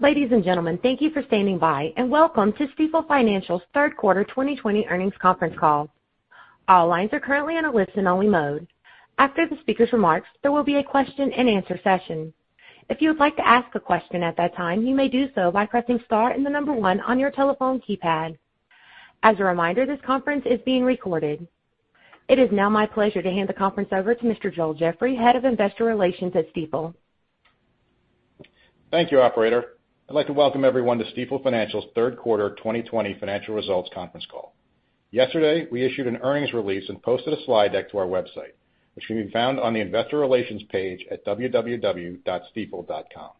Ladies and Gentlemen, thank you for standing by and welcome to Stifel Financial's third quarter 2020 earnings conference call. All lines are currently in a listen-only mode. After the speaker's remarks there will be a question and answer session. If you would like to ask a question at that time, you may do so by pressing star and the number one on your telephone keypad. As a reminder, this conference is being recorded. It is now my pleasure to hand the conference over to Mr. Joel Jeffrey, Head of Investor Relations at Stifel. Thank you, operator. I'd like to welcome everyone to Stifel Financial's third quarter 2020 financial results conference call. Yesterday we issued an earnings release and posted a slide deck to our website, which can be found on the Investor Relations page at www.stifel.com.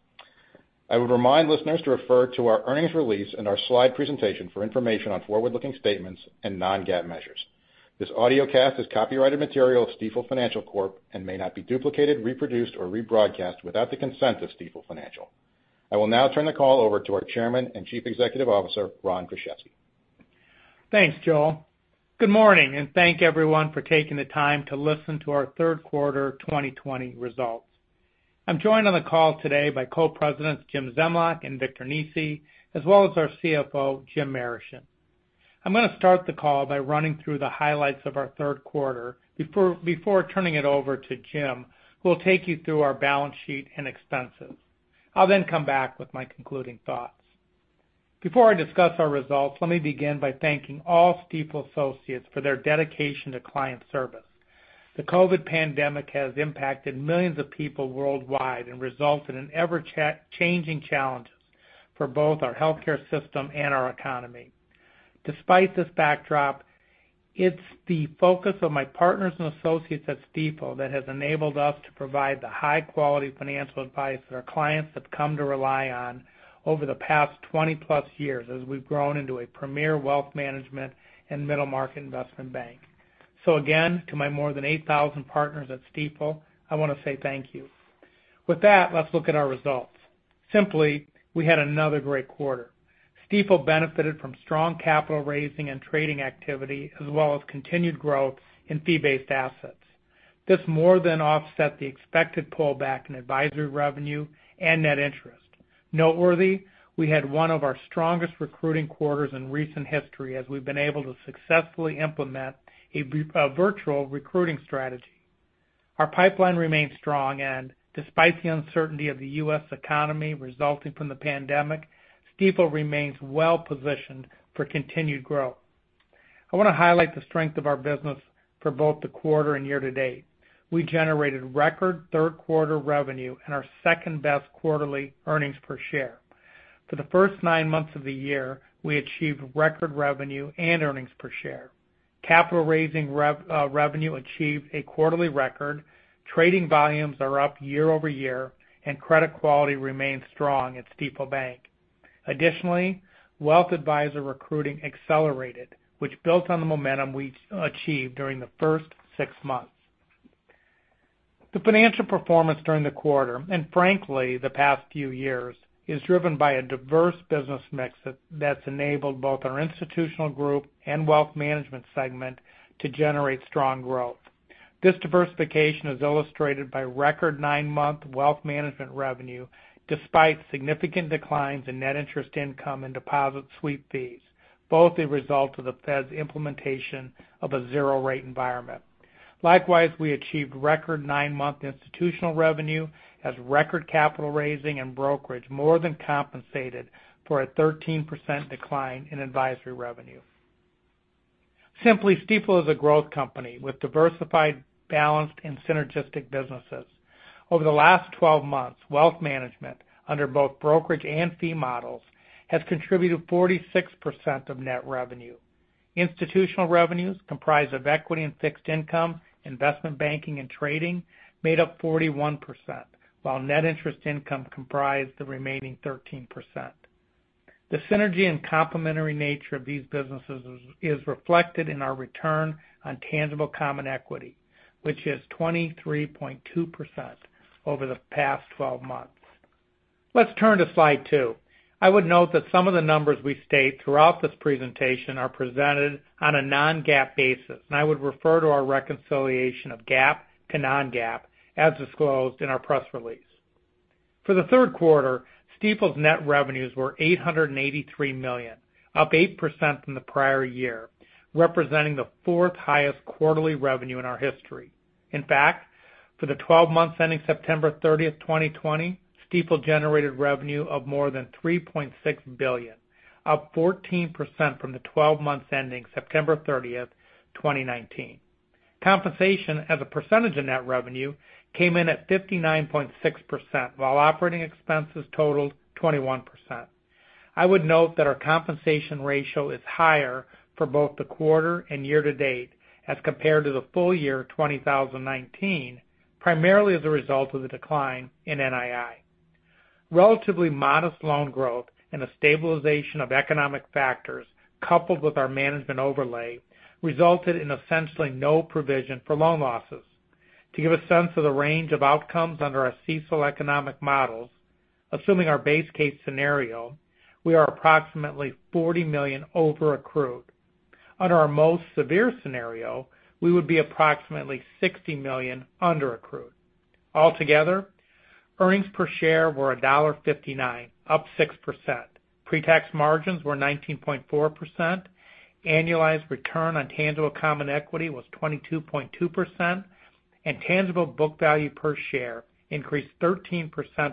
I would remind listeners to refer to our earnings release and our slide presentation for information on forward-looking statements and non-GAAP measures. This audiocast is copyrighted material of Stifel Financial Corp. and may not be duplicated, reproduced or rebroadcast without the consent of Stifel Financial. I will now turn the call over to our Chairman and Chief Executive Officer Ron Kruszewski. Thanks Joel. Good morning and thank everyone for taking the time to listen to our third quarter 2020 results. I'm joined on the call today by Co-Presidents Jim Zemlyak and Victor Nesi as well as our CFO Jim Marischen. I'm going to start the call by running through the highlights of our third quarter before turning it over to Jim who will take you through our balance sheet and expenses. I'll then come back with my concluding thoughts before I discuss our results. Let me begin by thanking all Stifel associates for their dedication to client service. The COVID pandemic has impacted millions of people worldwide and resulted in ever-changing challenges for both our health care system and our economy. Despite this backdrop, it's the focus of my partners and associates at Stifel that has enabled us to provide the high quality financial advice that our clients have come to rely on over the past 20 plus years as we've grown into a premier wealth management and middle market investment bank. So again, to my more than 8,000 partners at Stifel, I want to say thank you. With that, let's look at our results. Simply, we had another great quarter. Stifel benefited from strong capital raising and trading activity as well as continued growth in fee-based assets. This more than offset the expected pullback in advisory revenue and net interest. Noteworthy, we had one of our strongest recruiting quarters in recent history as we've been able to successfully implement a virtual recruiting strategy. Our pipeline remains strong, and despite the uncertainty of the U.S. economy resulting from the pandemic, Stifel remains well positioned for continued growth. I want to highlight the strength of our business for both the quarter and year to date, we generated record third quarter revenue and our second best quarterly earnings per share. For the first nine months of the year, we achieved record revenue and earnings per share. Capital raising revenue achieved a quarterly record. Trading volumes are up year over year and credit quality remains strong at Stifel Bank. Additionally, wealth advisor recruiting accelerated which built on the momentum we achieved during the first six months. The financial performance during the quarter and frankly the past few years is driven by a diverse business mix that enabled both our institutional group and wealth management Segment to generate strong growth. This diversification is illustrated by record nine-month wealth management revenue despite significant declines in net interest income and deposit sweep fees, both a result of the Fed's implementation of a zero rate environment. Likewise, we achieved record nine-month institutional revenue as record capital raising and brokerage more than compensated for a 13% decline in advisory revenue. Simply, Stifel is a growth company with diversified, balanced and synergistic businesses. Over the last 12 months, wealth management under both brokerage and fee models has contributed 46% of net revenue. Institutional revenues comprised of equity and fixed income, investment banking and trading made up 41% while net interest income comprised the remaining 13%. The synergy and complementary nature of these businesses is reflected in our return on tangible common equity which is 23.2% over the past 12 months. Let's turn to slide two. I would note that some of the numbers we state throughout this presentation are presented on a non-GAAP basis and I would refer to our reconciliation of GAAP to non-GAAP as disclosed in our press release. For the third quarter, Stifel's net revenues were $883 million, up 8% from the prior year, representing the fourth highest quarterly revenue in our history. In fact, for the 12 months ending September 30, 2020, Stifel generated revenue of more than $3.6 billion, up 14% from the 12 months ending September 30, 2019. Compensation as a percentage of net revenue came in at 59.6% while operating expenses totaled 21%. I would note that our compensation ratio is higher for both the quarter and year to date as compared to the full year 2019, primarily as a result of the decline in NII, relatively modest loan growth, and a stabilization of economic factors, coupled with our management overlay, resulted in essentially no provision for loan losses. To give a sense of the range of outcomes under our CECL economic models, assuming our base case scenario, we are approximately $40 million over accrued. Under our most severe scenario, we would be approximately $60 million under accrued. Altogether, earnings per share were $1.59, up 6%. Pre-tax margins were 19.4%, annualized return on tangible common equity was 22.2%, and tangible book value per share increased 13%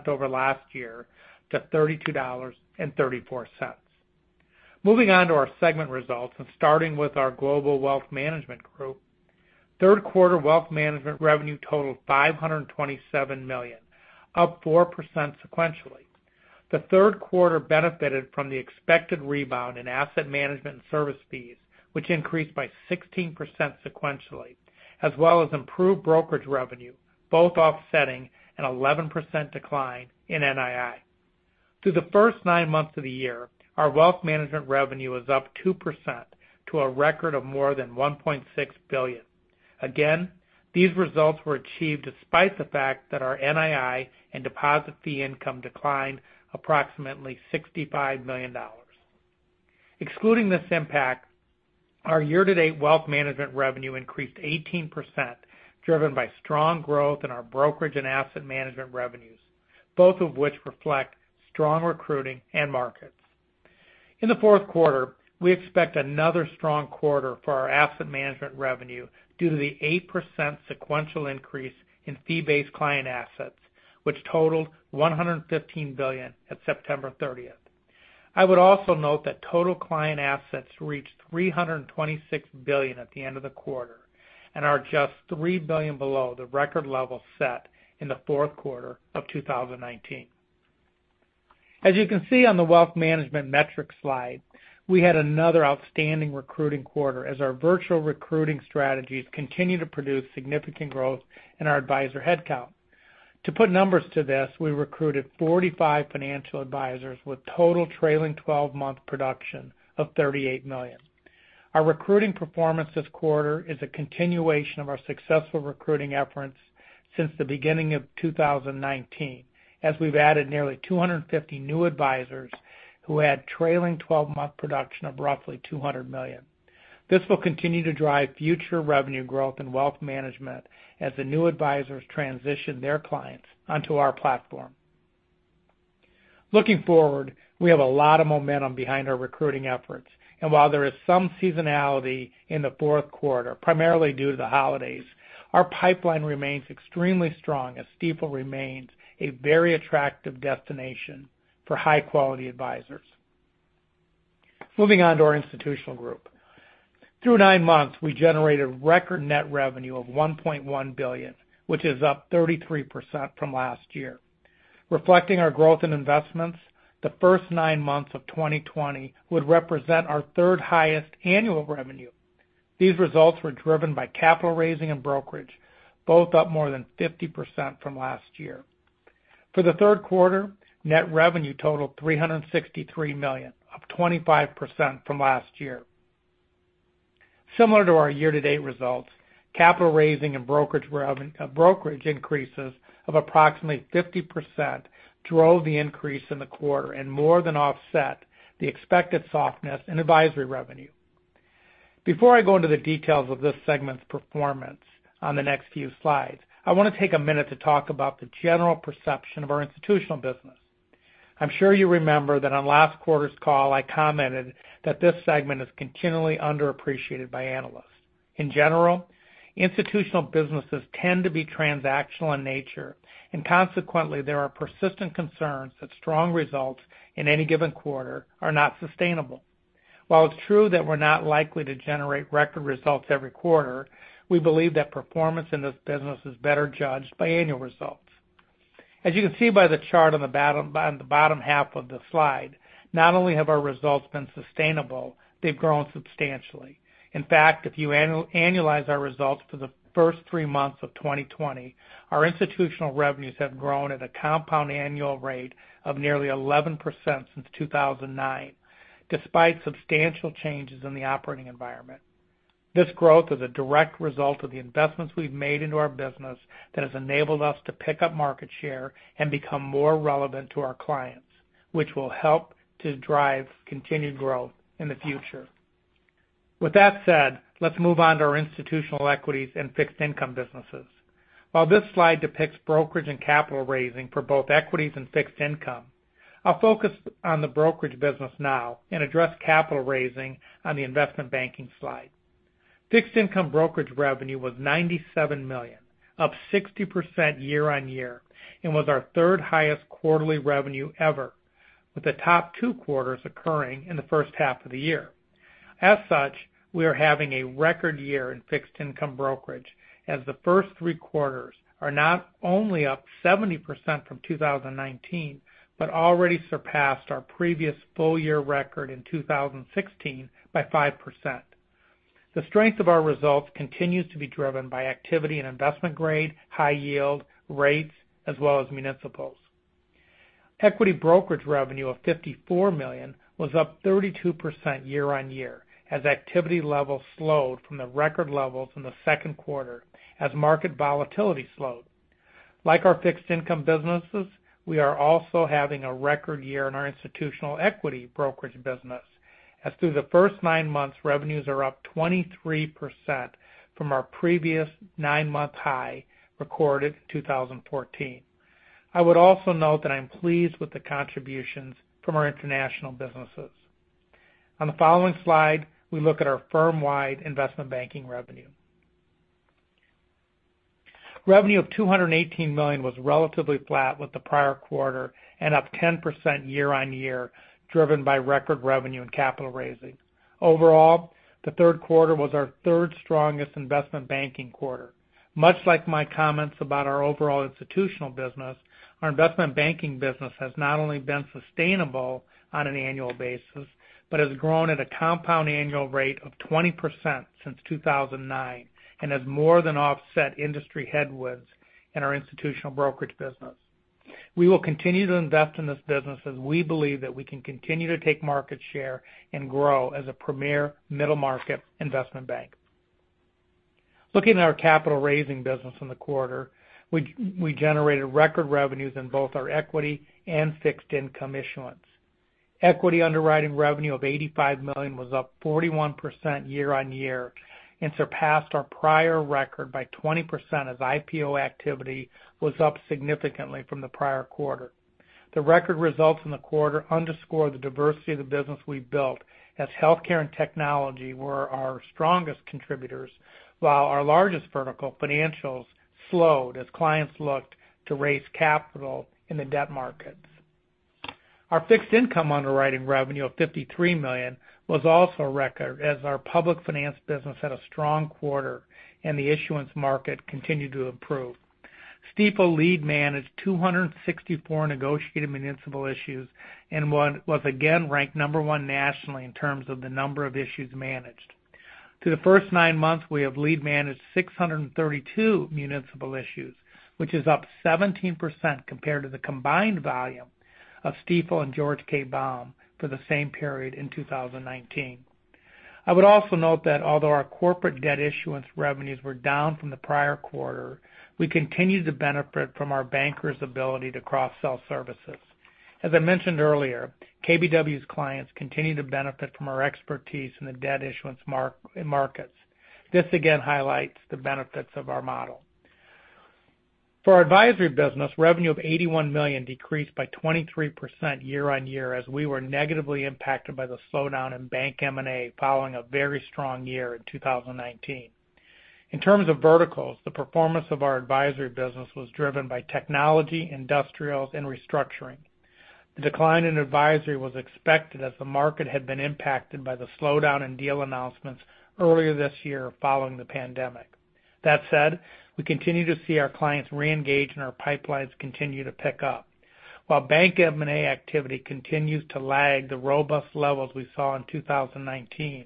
over last year to $32.34. Moving on to our segment results and starting with our Global wealth management Group third quarter wealth management revenue totaled $527 million, up 4% sequentially. The third quarter benefited from the expected rebound in asset management and service fees which increased by 16% sequentially as well as improved brokerage revenue, both offsetting an 11% decline in NII. Through the first nine months of the year, our wealth management revenue is up 2% to a record of more than $1.6 billion. Again, these results were achieved despite the fact that our NII and deposit fee income declined approximately $65 million. Excluding this impact, our year to date wealth management revenue increased 18% driven by strong growth in our brokerage and asset management revenues, both of which reflect strong recruiting end markets. In the fourth quarter we expect another strong quarter for our asset management revenue due to the 8% sequential increase in fee-based client assets which totaled $115 billion at September 30th. I would also note that total client assets reached $326 billion at the end of the quarter and are just $3 billion below the record level set in the fourth quarter of 2019. As you can see on the wealth management metrics slide, we had another outstanding recruiting quarter as our virtual recruiting strategies continue to produce significant growth in our advisor headcount. To put numbers to this, we recruited 45 financial advisors with total trailing 12 month production of $38 million. Our recruiting performance this quarter is a continuation of our successful recruiting efforts since the beginning of 2019 as we've added nearly 250 new advisors who had trailing 12 month production of roughly $200 million. This will continue to drive future revenue growth and wealth management as the new advisors transition their clients onto our platform. Looking forward, we have a lot of momentum behind our recruiting efforts and while there is some seasonality in the fourth quarter primarily due to the holidays, our pipeline remains extremely strong as Stifel remains a very attractive destination for high quality advisors. Moving on to our Institutional Group through nine months, we generated record net revenue of $1.1 billion, which is up 33% from last year. Reflecting our growth in investments, the first nine months of 2020 would represent our third highest annual revenue. These results were driven by capital raising and brokerage, both up more than 50% from last year. For the third quarter, net revenue totaled $363 million, up 25% from last year. Similar to our year to date results, capital raising and brokerage increases of approximately 50% drove the increase in the quarter and more than offset the expected softness in advisory revenue. Before I go into the details of this segment's performance on the next few slides, I want to take a minute to talk about the general perception of our institutional business. I'm sure you remember that on last quarter's call I commented that this segment is continually underappreciated by analysts. In general, institutional businesses tend to be transactional in nature, and consequently there are persistent concerns that strong results in any given quarter are not sustainable. While it's true that we're not likely to generate record results every quarter, we believe that performance in this business is better judged by annual results. As you can see by the chart on the bottom half of the slide, not only have our results been sustainable, they've grown substantially. In fact, if you annualize our results for the first three months of 2020, our institutional revenues have grown at a compound annual rate of nearly 11% since 2009, despite substantial changes in the operating environment. This growth is a direct result of the investments we've made into our business that has enabled us to pick up market share and become more relevant to our clients, which will help to drive continued growth in the future. With that said, let's move on to our institutional equities and fixed income businesses. While this slide depicts brokerage and capital raising for both equities and fixed income, I'll focus on the brokerage business now and address capital raising on the investment banking slide. Fixed income brokerage revenue was $97 million, up 60% year on year and was our third highest quarterly revenue ever, with the top two quarters occurring in the first half of the year. As such, we are having a record year in fixed income brokerage as the first three quarters are not only up 70% from 2019, but already surpassed our previous full year record in 2016 by 5%. The strength of our results continues to be driven by activity in investment grade high yield rates as well as municipals. Equity brokerage revenue of $54 million was up 32% year on year as activity levels slowed from the record levels in the second quarter as market volatility slowed. Like our fixed income businesses, we are also having a record year in our institutional equity brokerage business as through the first nine months revenues are up 23% from our previous nine-month high recorded in 2014. I would also note that I am pleased with the contributions from our international businesses. On the following slide we look at our firm-wide investment banking revenue. Revenue of $218 million was relatively flat with the prior quarter and up 10% year-on-year driven by record revenue in capital raising. Overall, the third quarter was our third strongest investment banking quarter. Much like my comments about our overall institutional business, our investment banking business has not only been sustainable on an annual basis but has grown at a compound annual rate of 20% since 2009 and has more than offset industry headwinds in our institutional brokerage business. We will continue to invest in this business as we believe that we can continue to take market share and grow as a premier middle market investment bank. Looking at our capital raising business in the quarter, we generated record revenues in both our equity and fixed income issuance. Equity underwriting revenue of $85 million was up 41% year on year and surpassed our prior record by 20% as IPO activity was up significantly from the prior quarter. The record results in the quarter underscore the diversity of the business we built and as healthcare and technology were our strongest contributors while our largest vertical financials slowed as clients looked to raise capital in the debt markets. Our fixed income underwriting revenue of $53 million was also a record as our public finance business had a strong quarter and the issuance market continued to improve. Stifel lead managed 264 negotiated municipal issues and was again ranked number one nationally in terms of the number of issues managed. Through the first nine months we have lead managed 632 municipal issues, which is up 17% compared to the combined volume of Stifel and George K. Baum for the same period in 2019. I would also note that although our corporate debt issuance revenues were down from the prior quarter, we continue to benefit from our bankers' ability to cross sell services. As I mentioned earlier, KBW's clients continue to benefit from our expertise in the debt issuance markets. This again highlights the benefits of our model for our advisory business. Revenue of $81 million decreased by 23% year on year as we were negatively impacted by the slowdown in bank M&A following a very strong year in 2019. In terms of verticals, the performance of our advisory business was driven by technology industrials and restructuring. The decline in advisory was expected as the market had been impacted by the slowdown in deal announcements earlier this year following the pandemic. That said, we continue to see our clients reengage and our pipelines continue to pick up while bank M&A activity continues to lag the robust levels we saw in 2019.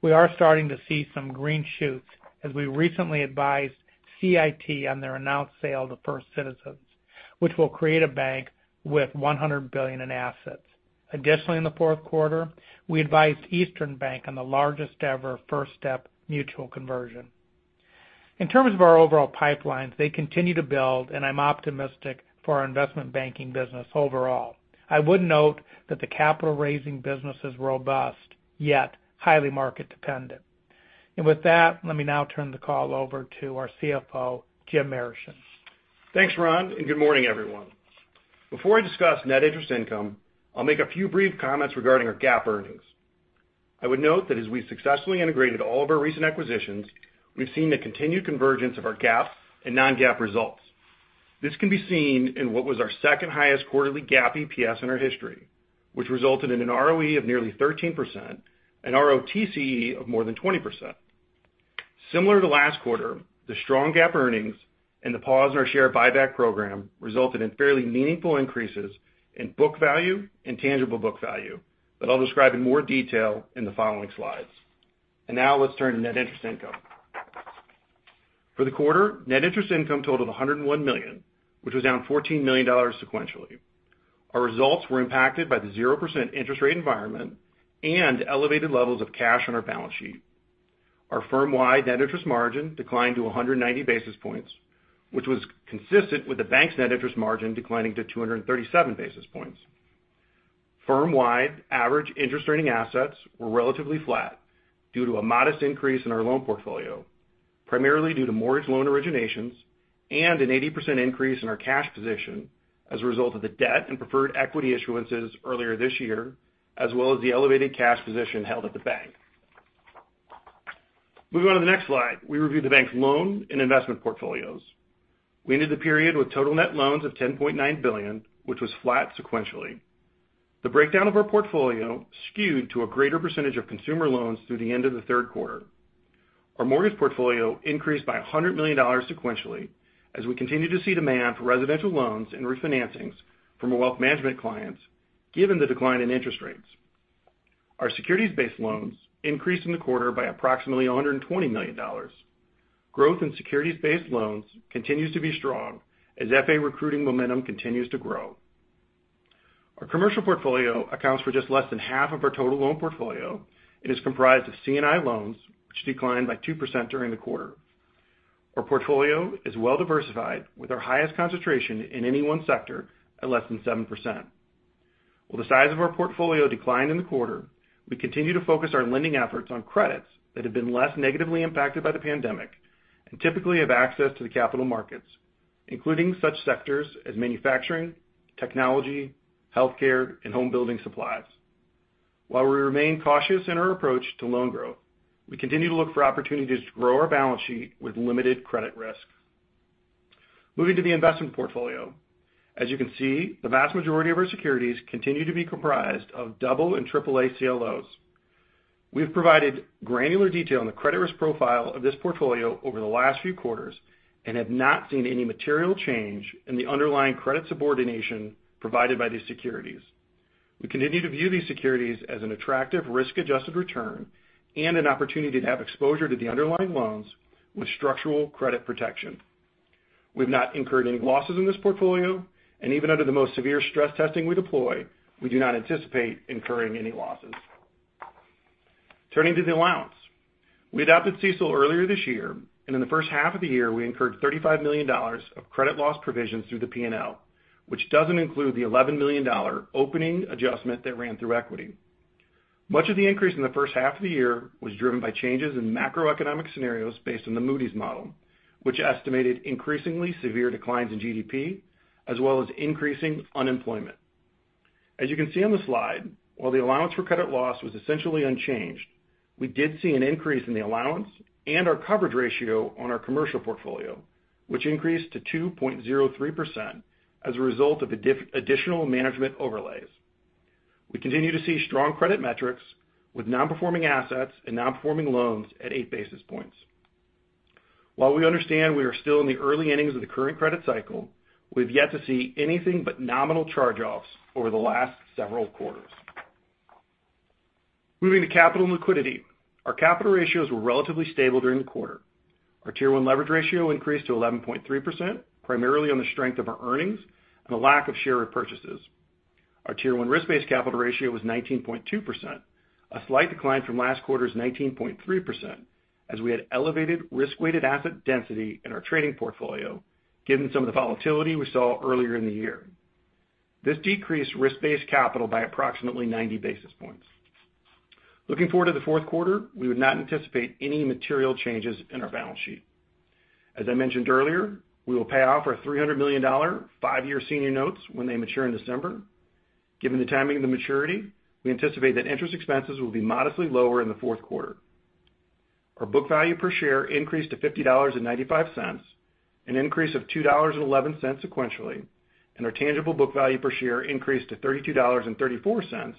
We are starting to see some green shoots as we recently advised CIT on their announced sale to First Citizens which will create a bank with $100 billion in assets. Additionally, in the fourth quarter we advised Eastern Bank on the largest ever first step mutual conversion. In terms of our overall pipelines, they continue to build and I'm optimistic for our investment banking business overall. I would note that the capital raising business is robust yet highly market dependent and with that let me now turn the call over to our CFO Jim Marischen. Thanks Ron and good morning everyone. Before I discuss net interest income, I'll make a few brief comments regarding our GAAP earnings. I would note that as we successfully integrated all of our recent acquisitions, we've seen the continued convergence of our GAAP and non-GAAP results. This can be seen in what was our second highest quarterly GAAP EPS in our history, which resulted in an ROE of nearly 13% and ROTCE of more than 20%. Similar to last quarter, the strong GAAP earnings and the pause in our share buyback program resulted in fairly meaningful increases in book value and tangible book value that I'll describe in more detail in the following slides, and now let's turn to net interest income. For the quarter, net interest income totaled $101 million, which was down $14 million. Sequentially, our results were impacted by the 0% interest rate environment and elevated levels of cash on our balance sheet. Our firm-wide net interest margin declined to 190 basis points, which was consistent with the bank's net interest margin declining to 237 basis points. Firm-wide average interest-earning assets were relatively flat due to a modest increase in our loan portfolio, primarily due to mortgage loan originations and an 80% increase in our cash position as a result of the debt and preferred equity issuances earlier this year as well as the elevated cash position held at the bank. Moving on to the next slide, we review the bank's loan and investment portfolios. We ended the period with total net loans of $10.9 billion, which was flat sequentially. The breakdown of our portfolio skewed to a greater percentage of consumer loans through the end of the third quarter. Our mortgage portfolio increased by $100 million sequentially as we continue to see demand for residential loans and refinancings from our wealth management clients. Given the decline in interest rates, our securities-based loans increased in the quarter by approximately $120 million. Growth in securities-based loans continues to be strong as FA recruiting momentum continues to grow. Our commercial portfolio accounts for just less than half of our total loan portfolio and is comprised of C&I loans which declined by 2% during the quarter. Our portfolio is well diversified with our highest concentration in any one sector at less than 7%. While the size of our portfolio declined in the quarter, we continue to focus our lending efforts on credits that have been less negatively impacted by the pandemic and typically have access to the capital markets including such sectors as manufacturing, technology, health care and home building supplies. While we remain cautious in our approach to loan growth, we continue to look for opportunities to grow our balance sheet with limited credit risk. Moving to the investment portfolio, as you can see, the vast majority of our securities continue to be comprised of AA and AAA CLOs. We've provided granular detail on the credit risk profile of this portfolio over the last few quarters and have not seen any material change in the underlying credit subordination provided by these securities. We continue to view these securities as an attractive risk adjusted return and an opportunity to have exposure to the underlying loans with structural credit protection. We have not incurred any losses in this portfolio and even under the most severe stress testing we deploy, we do not anticipate incurring any losses. Turning to the allowance, we adopted CECL earlier this year and in the first half of the year we incurred $35 million of credit loss provisions through the P&L, which doesn't include the $11 million opening adjustment that ran through equity. Much of the increase in the first half of the year was driven by changes in macroeconomic scenarios based on the Moody's model which estimated increasingly severe declines in GDP as well as increasing unemployment. As you can see on the slide, while the allowance for credit loss was essentially unchanged, we did see an increase in the allowance and our coverage ratio on our commercial portfolio which increased to 2.03% as a result of additional management overlays. We continue to see strong credit metrics with non-performing assets and non-performing loans at 8 basis points. While we understand we are still in the early innings of the current credit cycle, we've yet to see anything but nominal charge offs over the last several quarters. Moving to Capital and Liquidity. Our capital ratios were relatively stable during the quarter, our Tier 1 leverage ratio increased to 11.3% primarily on the strength of our earnings and a lack of share repurchases. Our Tier 1 risk-based capital ratio was 19.2%, a slight decline from last quarter's 19.3% as we had elevated risk-weighted asset density in our trading portfolio. Given some of the volatility we saw earlier in the year, this decreased risk-based capital by approximately 90 basis points. Looking forward to the fourth quarter, we would not anticipate any material changes in our balance sheet. As I mentioned earlier, we will pay off our $300 million five-year senior notes when they mature in December. Given the timing of the maturity, we anticipate that interest expenses will be modestly lower. In the fourth quarter, our book value per share increased to $50.95, an increase of $2.11 sequentially and our tangible book value per share increased to $32.34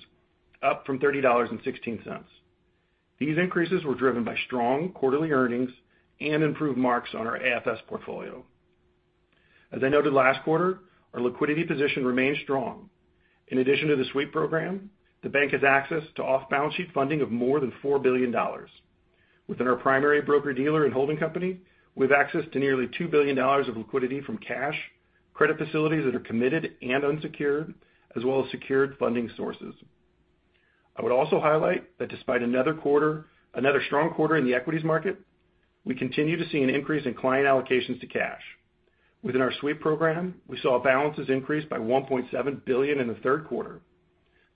up from $30.16. These increases were driven by strong quarterly earnings and improved marks on our AFS portfolio. As I noted last quarter, our liquidity position remains strong. In addition to the Sweep Program, the bank has access to off balance sheet funding of more than $4 billion. Within our primary broker-dealer and holding company, we have access to nearly $2 billion of liquidity from cash credit facilities that are committed and unsecured as well as secured funding sources. I would also highlight that despite another quarter, another strong quarter in the equities market, we continue to see an increase in client allocations to cash. Within our Sweep Program, we saw balances increase by $1.7 billion in the third quarter.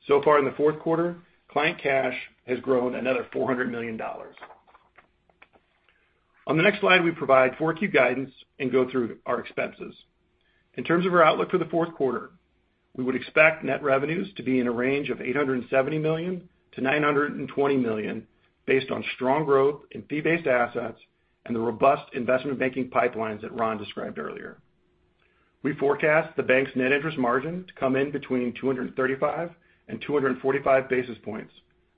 So far in the fourth quarter, client cash has grown another $400 million. On the next slide, we provide 4Q guidance and go through our expenses. In terms of our outlook for the fourth quarter, we would expect net revenues to be in a range of $870 million-$920 million. Based on strong growth in fee based assets and the robust investment banking pipelines that Ron described earlier, we forecast the bank's net interest margin to come in between 235 and 245 basis points,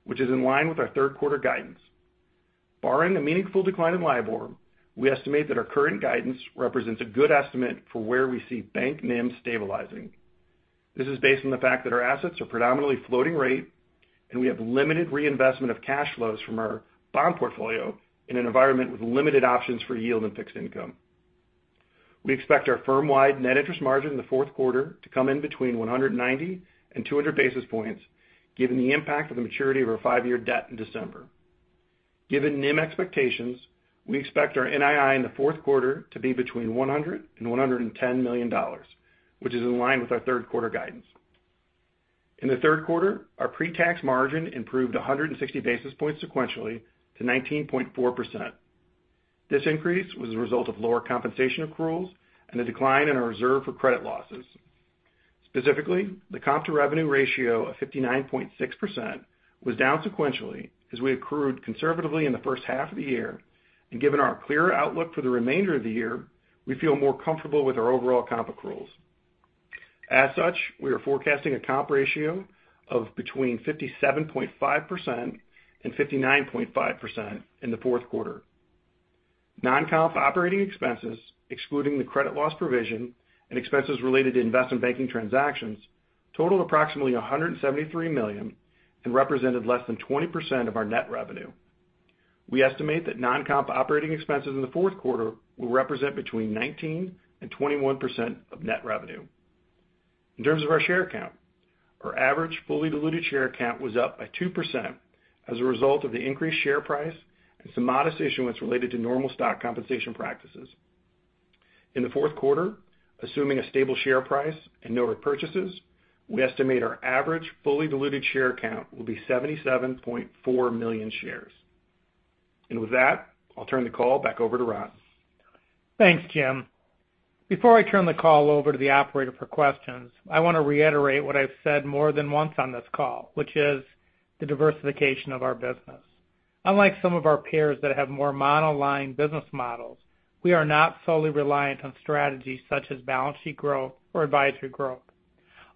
which is in line with our third quarter guidance. Barring a meaningful decline in LIBOR, we estimate that our current guidance represents a good estimate for where we see bank NIM stabilizing. This is based on the fact that our assets are predominantly floating rate and we have limited reinvestment of cash flows from our bond portfolio. In an environment with limited options for yield and fixed income, we expect our firm wide net interest margin. In the fourth quarter to come in between 190 and 200 basis points given the impact of the maturity of our five-year debt in December. Given NIM expectations, we expect our NII in the fourth quarter to be between $100 million-$110 million, which is in line with our third quarter guidance. In the third quarter our pre-tax margin improved 160 basis points sequentially to 19.4%. This increase was a result of lower compensation accruals and a decline in our reserve for credit losses. Specifically, the comp to revenue ratio of 59.6% was down sequentially as we accrued conservatively in the first half of the year and given our clear outlook for the remainder of the year, we feel more comfortable with our overall comp accruals. As such, we are forecasting a comp ratio of between 57.5%-59.5% in the fourth quarter. Non-comp operating expenses, excluding the credit loss provision and expenses related to investment banking transactions, totaled approximately $173 million and represented less than 20% of our net revenue. We estimate that non-comp operating expenses in the fourth quarter will represent between 19%-21% of net revenue. In terms of our share count, our average fully diluted share count was up by 2% as a result of the increased share price and some modest issuance related to normal stock compensation practices. In the fourth quarter, assuming a stable share price and no repurchases, we estimate our average fully diluted share count will be 77.4 million shares. And with that, I'll turn the call back over to Ron. Thanks Jim. Before I turn the call over to the operator for questions, I want to reiterate what I've said more than once on this call, which is the diversification of our business. Unlike some of our peers that have more monoline business models, we are not solely reliant on strategies such as balance sheet growth or advisory growth.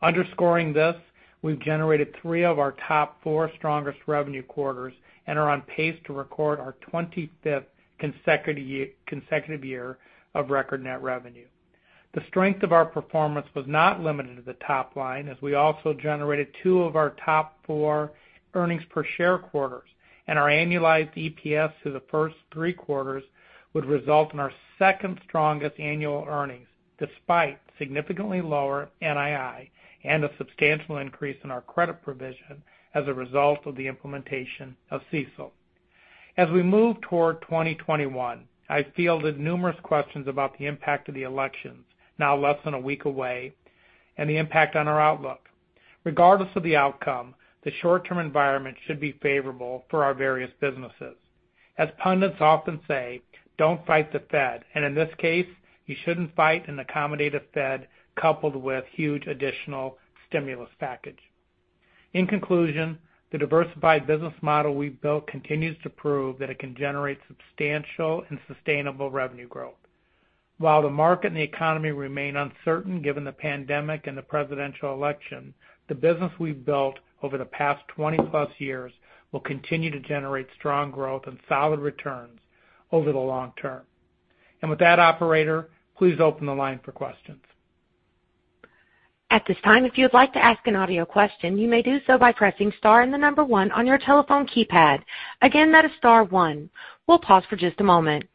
Underscoring this, we've generated three of our top four strongest revenue quarters and are on pace to record our 25th consecutive year of record net revenue. The strength of our performance was not limited to the top line as we also generated two of our top four earnings per share quarters and our annualized EPS through the first three quarters would result in our second strongest annual earnings despite significantly lower NII and a substantial increase in our credit provision as a result of the implementation of CECL. As we move toward 2021, I fielded numerous questions about the impact of the elections, now less than a week away, and the impact on our outlook. Regardless of the outcome, the short term environment should be favorable for our various businesses. As pundits often say, don't fight the Fed and in this case you shouldn't fight an accommodative Fed coupled with huge additional stimulus package. In conclusion, the diversified business model we built continues to prove that it can generate substantial and sustainable revenue growth. While the market and the economy remain uncertain given the pandemic and the presidential election, the business we've built over the past 20 plus years will continue to generate strong growth and solid returns over the long term. And with that, Operator, please open the line for questions at this time. If you would like to ask an audio question, you may do so by pressing star in the number one on your telephone keypad. Again, that is star one. We'll pause for just a moment.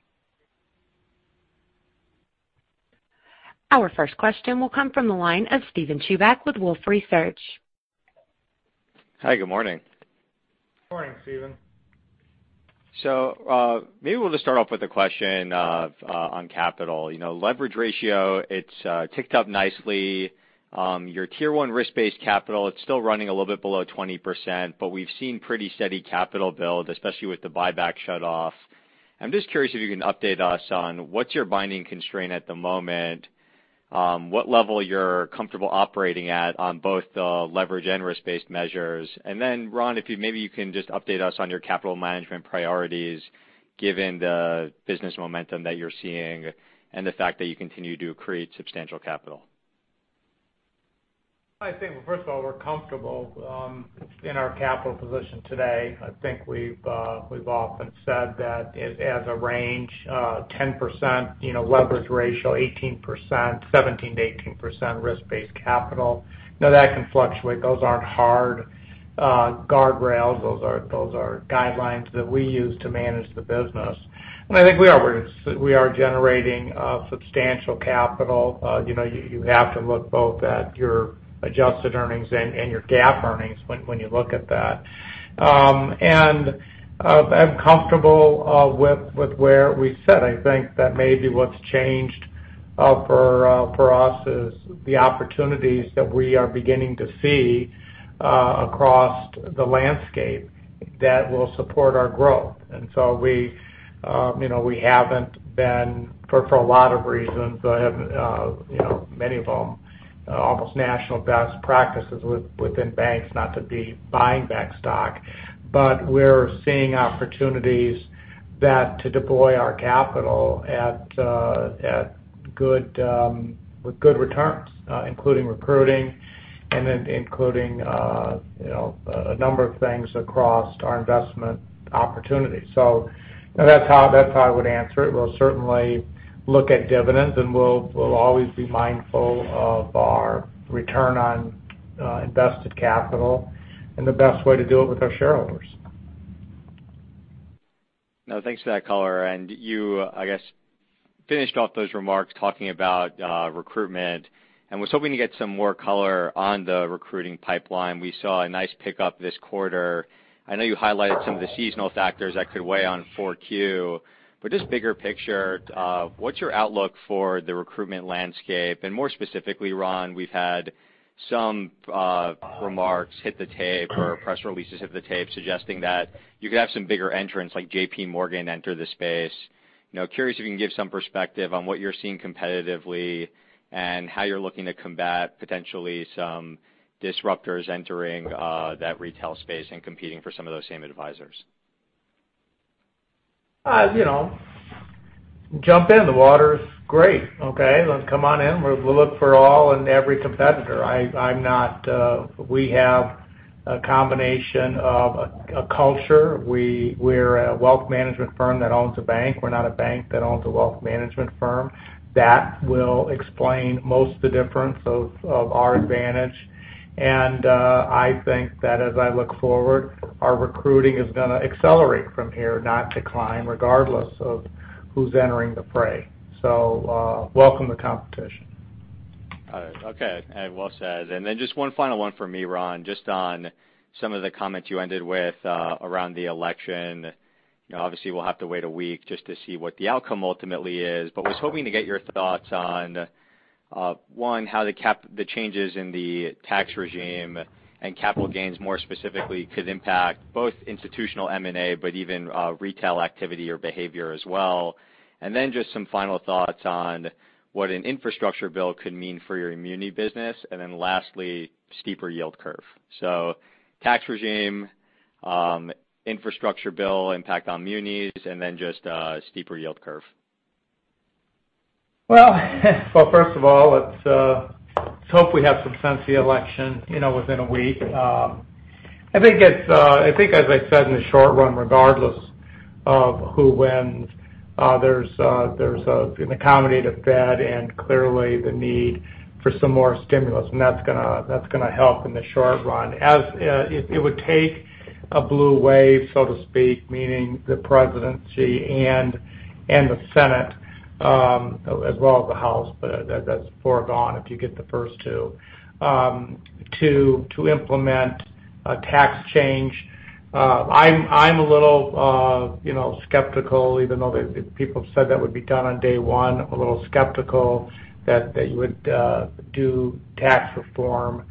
Our first question will come from the line of Steven Chubak with Wolfe Research. Hi, good morning. Good morning, Steven. Maybe we'll just start off with a question on capital leverage ratio. It's ticked up nicely, your Tier 1 risk-based capital. It's still running a little bit below 20% but we've seen pretty steady capital build, especially with the buyback shut off. I'm just curious if you can update us on what's your binding constraint at the moment, what level you're comfortable operating at on both leverage and risk-based measures. And then Ron, if maybe you can just update us on your capital management priorities given the business momentum that you're seeing and the fact that you continue to create substantial capital. I think first of all we're comfortable in our capital position today. I think we've often said that as a range 10% leverage ratio, 18%, 17%-18% risk-based capital that can fluctuate. Those aren't hard guardrails. Those are guidelines that we use to manage the business. And I think we are, we are generating substantial capital. You know, you have to look both at your adjusted earnings and your GAAP earnings when you look at that. And I'm comfortable with where we sit. I think that may be what's changed for us is the opportunities that we are beginning to see across the landscape that will support our growth. We, you know, we haven't been, for a lot of reasons, you know, many of them almost national best practices within banks, not to be buying back stock. But we're seeing opportunities to deploy our capital at. Good returns. Including recruiting and including a number of things across our investment opportunities. So that's how I would answer it. We'll certainly look at dividends and we'll always be mindful of our return on invested capital and the best way to do it with our shareholders. No, thanks for that color. And you, I guess, finished off those remarks talking about recruitment and was hoping to get some more color on the recruiting pipeline. We saw a nice pickup this quarter. I know you highlighted some of the seasonal factors that could weigh on 4Q, but just bigger picture, what's your outlook for the recruitment landscape? And more specifically, Ron, we've had some remarks hit the tape or press releases hit the tape suggesting that you could have some bigger entrants like JPMorgan enter the space. Curious if you can give some perspective on what you're seeing competitively and how you're looking to combat potentially some disruptors entering that retail space and competing for some of those same advisors. You know, jump in, the water's great. Okay, come on in. We'll look for all and every competitor. I'm not. We have a combination of a culture. We're a wealth management firm that owns a bank. We're not a bank that owns a wealth management firm. That will explain most of the difference of our advantage. And I think that as I look forward, our recruiting is going to accelerate from here, not decline, regardless of who's entering the fray. So welcome the competition. Okay, well said. And then just one final one for me, Ron, just on some of the comments you ended with around the election. Obviously we'll have to wait a week just to see what the outcome ultimately is, but was hoping to get your thoughts on one how the changes in the tax regime and capital gains more specifically could impact both institutional M&A, but even retail activity or behavior as well. And then just some final thoughts on what an infrastructure bill could mean for your muni business. And then lastly, steeper yield curve. So tax regime infrastructure bill impact on munis and then just a steeper yield curve. Well, first of all, let's hope we have some Senate election within a week. I think as I said, in the short run, regardless of who wins, there's an accommodative Fed and clearly the need for some more stimulus and that's going to help in the short run. It would take a blue wave so to speak, meaning the presidency and the Senate as well as the House. But that's foregone if you get the first two to implement tax change. I'm a little, you know, skeptical, even though people said that would be done on day one, a little skeptical that they would do tax reform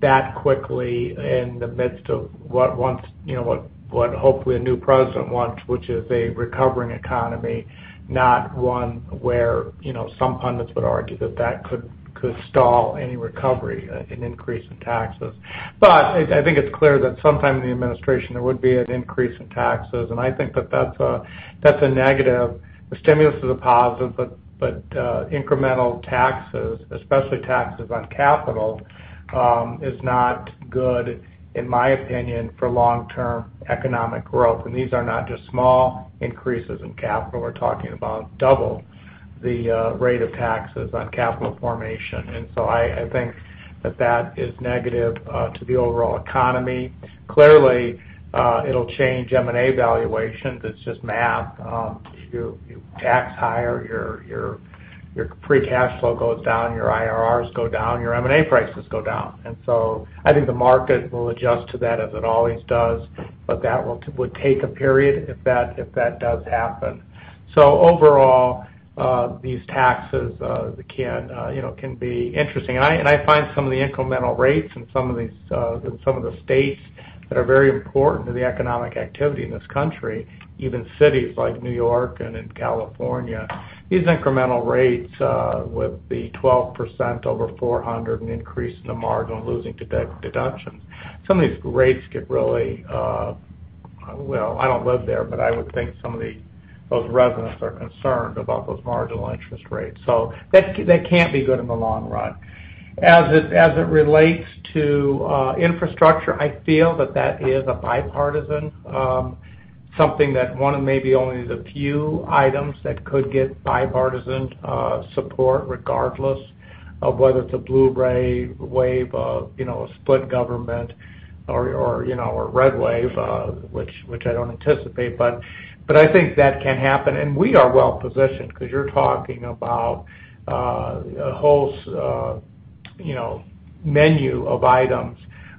that quickly in the midst of what once you know, what hopefully a new president wants, which is a recovering economy, not one where, you know, some pundits would argue that that could stall any recovery, an increase in taxes. But I think it's clear that sometime in the administration there would be an increase in taxes. And I think that that's a negative. The stimulus is a positive, but incremental taxes, especially taxes on capital, is not good, in my opinion, for long term economic growth. And these are not just small increases in capital. We're talking about double the rate of taxes on capital formation. And so I think that that is negative to the overall economy. Clearly it'll change M&A valuation. It's just math. You tax higher, your free cash flow goes down, your IRRs go down, your M&A prices go down. And so I think the market will adjust to that as it always does. But that would take a period if that does happen. So overall, these taxes can, you know, can be interesting. I find some of the incremental rates in some of the states that are very important to the economic activity in this country, even cities like New York and in California, these incremental rates with the 12% over 400, an increase in the marginal losing deductions, some of these rates get really. Well, I don't live there, but I would think some of those residents are concerned about those marginal tax rates. So that can't be good in the long run. As it relates to infrastructure, I feel that that is a bipartisan something that. One of maybe only the few items. That could get bipartisan support, regardless of whether it's a blue wave or a split government or, you know, or red wave, which I don't anticipate, but I think that can happen. We are well positioned because you're talking about a whole, you know, menu of items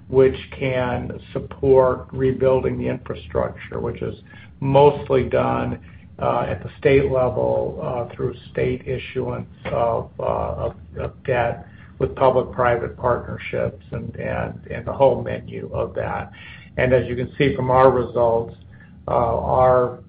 which can support rebuilding the infrastructure, which is mostly done at the state level through state issuance of debt with public private partnerships and the whole menu of that. As you can see from our results, our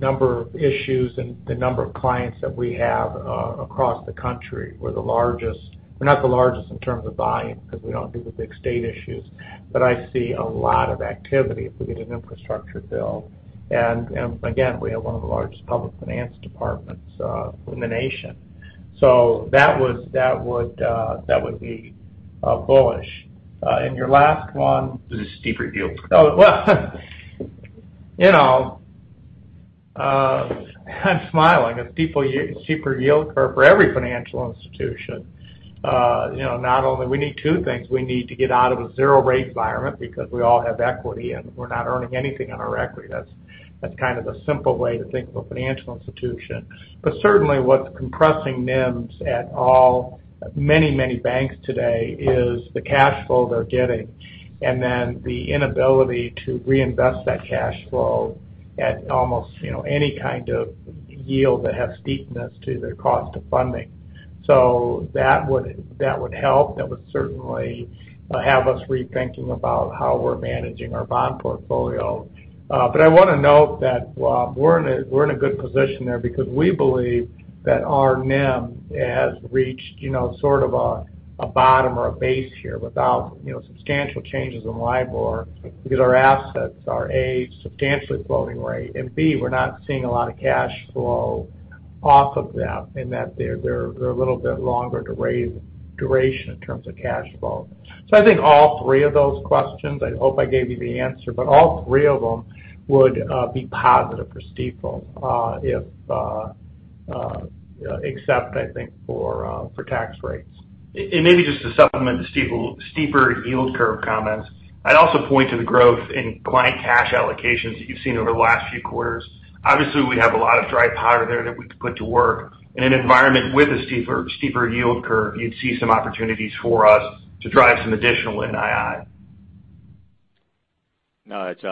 number of issues and the number of clients that we have across the country, we're the largest. We're not the largest in terms of volume because we don't do the big state issues. I see a lot of activity if we get an infrastructure bill, and again, we have one of the largest public finance departments, so that would be bullish. Your last one. Steeper yield curve. Well, you know, I'm smiling. A steeper yield curve for every financial institution. You know, not only we need two things, we need to get out of a zero rate environment because we all have equity and we're not earning anything on our equity. That's kind of a simple way to think of a financial institution. But certainly what's compressing NIM at all many, many banks today is the cash flow they're getting and then the inability to reinvest that cash flow at almost any kind of yield that has steepness to their cost of funding. So that would help. That would certainly have us rethinking about how we're managing our bond portfolio. But I want to note that we're in a good position there because we believe that our NIM has reached, you know, sort of a bottom or a base here without, you know, substantial changes in LIBOR because our assets are A substantially floating rate and B we're not seeing a lot of cash flow off of them in that they're a little bit longer to raise duration in terms of cash flow. So I think all three of those questions I hope I gave you the answer but all three of them would be positive for Stifel if, except I think for tax rates And maybe just. To supplement the steeper yield curve. Comments I'd also point to the growth in client cash allocations that you've seen over the last few quarters. Obviously we have a lot of dry. Powder there that we could put to work in an environment with a steeper yield curve. You'd see some opportunities for us to drive some additional NII. No, it's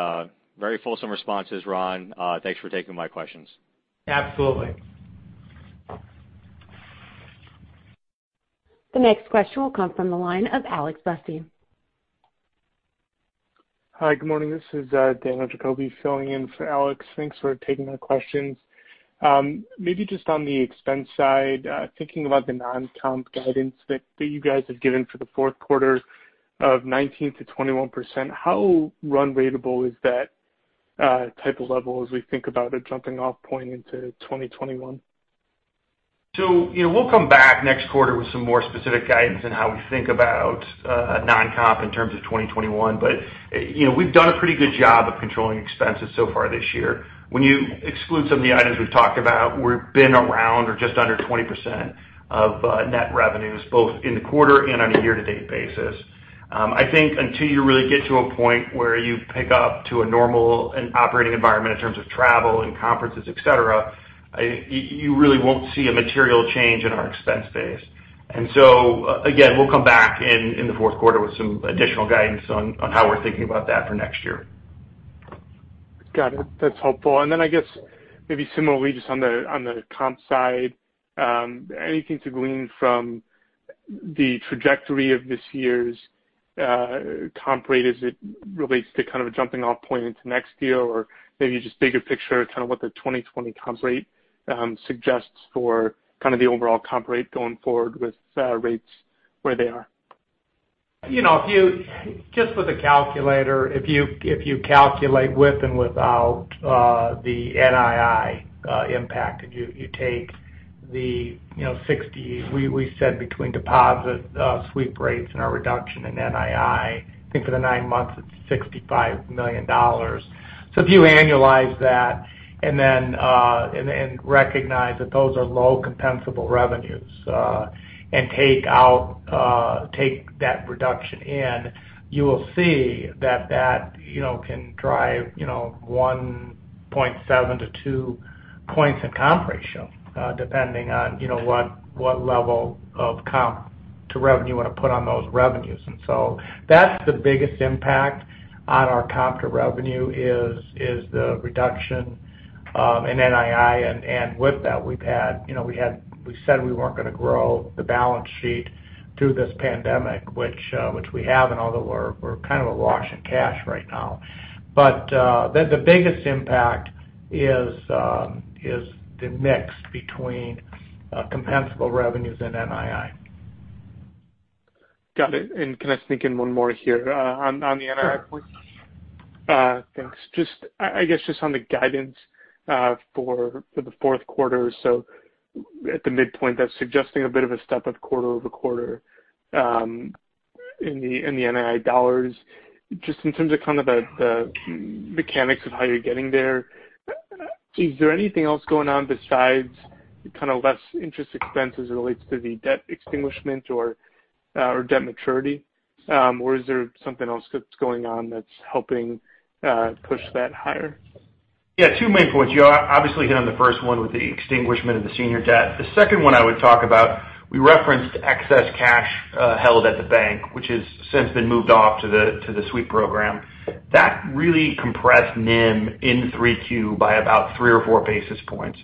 very fulsome responses, Ron. Thanks for taking my questions. Absolutely. The next question will come from the line of Alex Blostein. Hi, good morning. This is Daniel Jacoby filling in for Alex. Thanks for taking the questions. Maybe just on the expense side thinking about the non-comp guidance that you guys have given for 4Q 2019 to 21%. How run rateable is that type of level as we think about a jumping off point into 2021? You know, we'll come back next. Quarter with some more specific guidance and how we think about non-comp in terms of 2021. But you know, we've done a pretty good job of controlling expenses so far this year when you exclude some of the items we've talked about we've been around or just under 20% of net revenues both in the quarter and on a year to date basis. I think until you really get to a point where you pick up to a normal operating environment in terms of travel and conferences, et cetera, you really won't see a material change in our expense base. And so again, we'll come back in the fourth quarter with some additional guidance on how we're thinking about that for next year. Got it. That's helpful, and then I guess maybe similarly just on the comp side, anything to glean from the trajectory of this year's comp rate as it relates to kind of a jumping off point into next year or maybe just bigger picture, kind of. What the 2020 comp rate suggests for kind of the overall comp rate going forward with rates where they are you. No, just with a calculator, if you calculate with and without the NII impacted, you take the $60, we said between deposit sweep rates and our reduction in NII. I think for the nine months it's $65 million. So if you annualize that and then recognize that those are low compensable revenues and take out, take that reduction in, you will see that that can drive 1.7-2 points in comp ratio depending on, you know, what level of comp to revenue you want to put on those revenues. And so that's the biggest impact on our comp to revenue is the reduction in NII. And with that we've had, you know, we had, we said we weren't going to grow the balance sheet through this pandemic, which we have. And although we're kind of awash in cash right now. But the biggest impact is the mix between compensable revenues and NII. Got it. And can I sneak in one more here on the NII point? Thanks. Just, I guess just on the guidance for the fourth quarter. So at the midpoint, that's suggesting a bit of a step up quarter over quarter the NII dollars, just in terms on kind of the mechanics of how you're getting there. Is there anything else going on besides. Kind of less interest expense as it relates to the debt extinguishment or debt maturity? Or is there something else that's going. Or what's helping push that higher? Yeah, two main points. You obviously hit on the first one with the extinguishment of the senior debt. The second one I would talk about, we referenced excess cash held at the bank, which has since been moved off to the Sweep Program. That really compressed NIM in 3Q by about 3 or 4 basis points,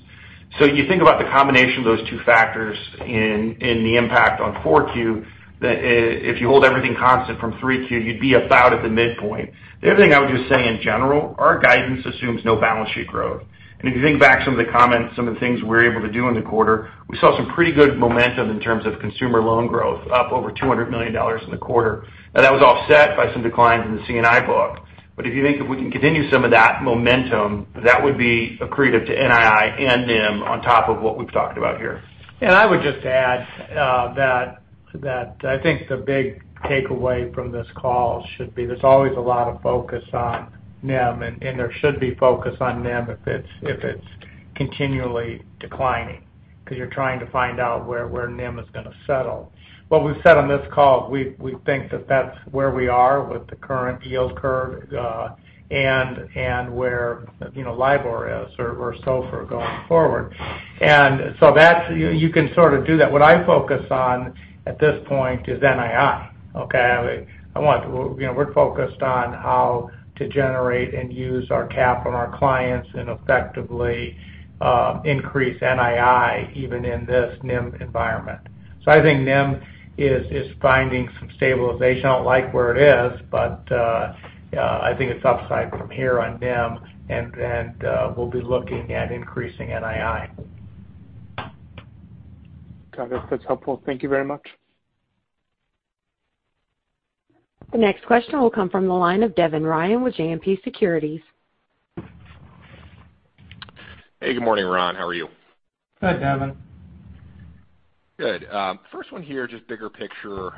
so you think about the combination of those two factors in the impact on 4Q. If you hold everything constant from 3Q, you'd be about at the midpoint. The other thing I would just say, in general, our guidance assumes no balance sheet growth, and if you think back some of the comments, some of the things we were able to do in the quarter, we saw some pretty good momentum in terms of consumer loan growth, up over $200 million in the quarter. That was offset by some declines in the C&I book. If you think we can continue some of that momentum, that would. Be accretive to NII and NIM on. Top of what we've talked about here. And I would just add that I think the big takeaway from this call should be there's always a lot of focus on NIM and there should be focus on NIM if it's continually declining because you're trying to find out where NIM is going to settle. What we've said on this call, we think that that's where we are with the current yield curve and where, you know, LIBOR is or SOFR going forward. And so that's. You can sort of do that. What I focus on at this point is NII. Okay. I want, you know, we're focused on how to generate and use our cap on our clients and effectively increase NII even in this NIM environment. So I think NIM is finding some stabilization. I don't like where it is, but I think it's upside from here on NIM, and we'll be looking at increasing NII. That's helpful. Thank you very much. The next question will come from the line of Devin Ryan with JMP Securities. Hey, good morning, Ron. How are you? Good, Devin. Good. First one here. Just bigger picture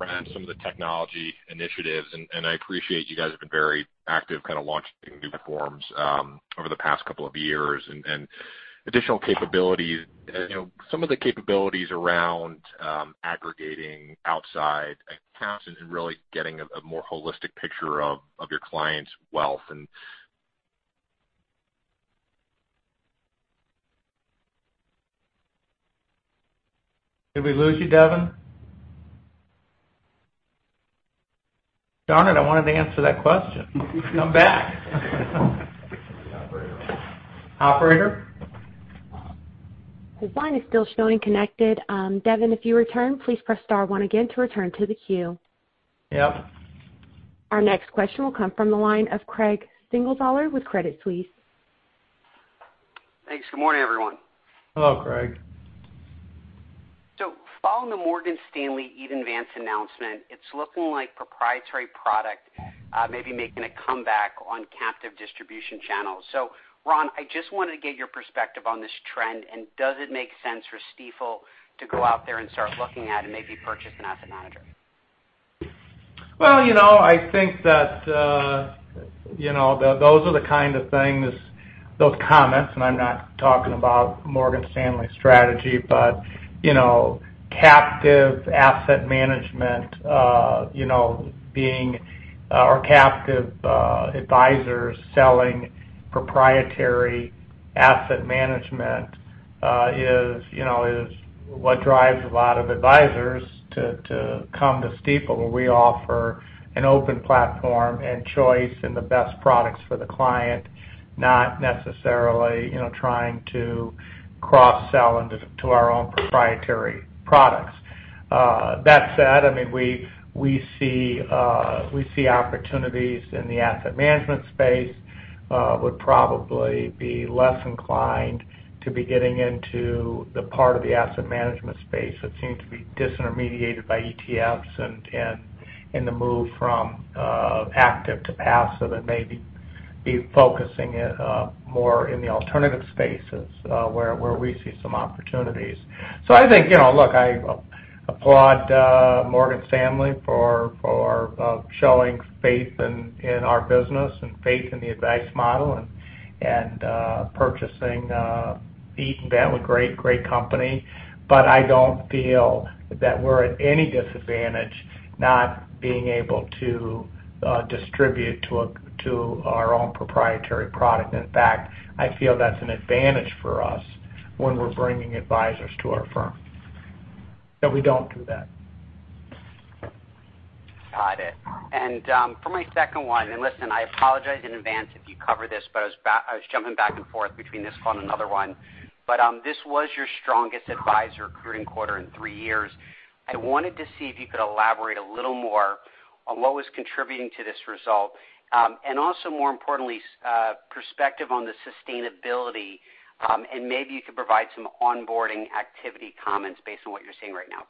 around some of the technology initiatives and I appreciate you guys have been very active kind of launching new platforms over the past couple of years and additional capabilities. Some of the capabilities around aggregating outside accounts and really getting a more holistic picture of your client's wealth. Did we lose you, Devin? Darn it. I wanted to answer that question. Come back, operator. His line is still showing connected. Devin, if you return, please press star one again to return to the queue. Yep. Our next question will come from the line of Craig Siegenthaler with Credit Suisse. Thanks. Good morning, everyone. Hello, Craig. So following the Morgan Stanley Eaton Vance announcement, it's looking like proprietary product, maybe making a comeback on captive distribution channels. So, Ron, I just wanted to get your perspective on this trend and does it make sense for Stifel to go out there and start looking at and maybe purchase an asset manager? You know, I think that, you know, those are the kind of things, those comments and I'm not talking about Morgan Stanley's strategy, but, you know, captive asset management, you know, being our captive advisors, selling proprietary asset management is, you know, is what drives a lot of advisors to come to Stifel where we offer an open platform and choice and the best products for the client. Not necessarily, you know, trying to cross-sell into our own proprietary products. That said, I mean we see opportunities in the asset management space. Would probably be less inclined to be getting into the part of the asset management space that seems to be disintermediated by ETFs and the move from active to passive and maybe focusing it more in the alternative spaces where we see some opportunities. So I think, you know, look, I applaud Morgan Stanley for showing faith in our business and faith in the advice model and purchasing Eaton Vance. Great, great company. But I don't feel that we're at any disadvantage not being able to distribute to our own proprietary product. In fact, I feel that's an advantage for us when we're bringing advisors to our firm that we don't do that. Got it. And for my second one, and listen, I apologize in advance if you cover this, but I was jumping back and forth between this call and another one, but this was your strongest advisor recruiting quarter in three years. I wanted to see if you could elaborate a little more on what was contributing to this result and also more importantly, perspective on the sustainability and maybe you could provide some onboarding activity comments based on what you're seeing right now.